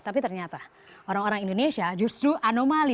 tapi ternyata orang orang indonesia justru anomali